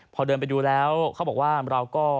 พอเดินไปดูแล้วเขาบอกว่าเราก็